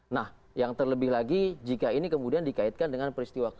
nah yang terlebih lagi jika ini kemudian dikaitkan dengan peristiwa kerusuhan dua puluh dua mei